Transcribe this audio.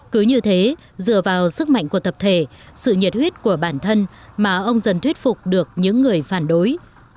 cứ như thế dựa vào sức mạnh của tập thể sự nhiệt huyết của bản thân mà ông dần thuyết phục được những người phản đối